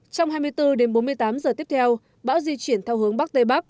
trong hai mươi bốn đến bốn mươi tám giờ tiếp theo bão di chuyển theo hướng bắc tây bắc